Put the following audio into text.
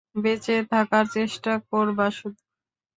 বেঁচে থাকার চেষ্টা করবা শুধু।